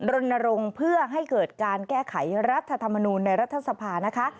รณรงค์เพื่อให้เกิดการแก้ไขรัฐธรรมนูลในรัฐสภานะคะ